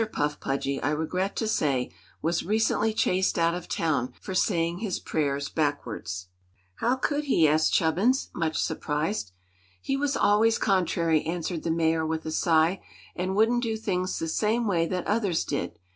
Puff Pudgy, I regret to say, was recently chased out of town for saying his prayers backwards." "How could he?" asked Chubbins, much surprised. "He was always contrary," answered the Mayor, with a sigh, "and wouldn't do things the same way that others did.